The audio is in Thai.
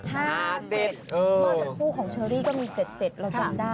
ห้าเจ็ดมาจากคู่ของเชอรี่ก็มีเจ็ดแล้วกันได้